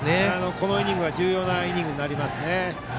このイニングは重要なイニングになりますね。